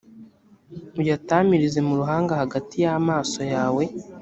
uyatamirize mu ruhanga hagati y’amaso yawe.